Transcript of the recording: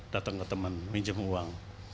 datang ke teman minjem uang